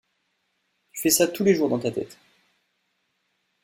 tu fais ça tous les jours dans ta tête.